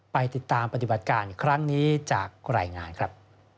ไปติดตามปฏิบัติการครั้งนี้จากรายงานครับ